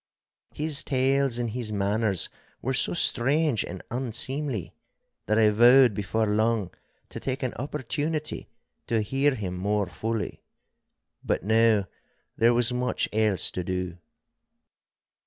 His tales and his manners were so strange and unseemly, that I vowed before long to take an opportunity to hear him more fully. But now there was much else to do.